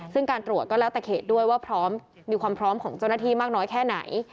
ซึ่งการตรวจก็แล้วแต่เขตด้วยว่าพร้อมมีความพร้อมของเจ้าหน้าที่มากน้อยแค่ไหน